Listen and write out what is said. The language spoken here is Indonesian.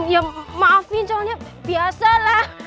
ya maafin soalnya biasa lah